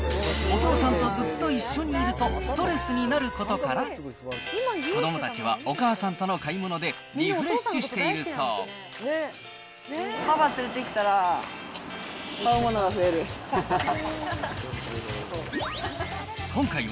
お父さんとずっと一緒にいるとストレスになることから、子どもたちは、お母さんとの買い物で、パパ連れてきたら、買うもの菊池）